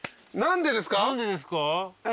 何でですか？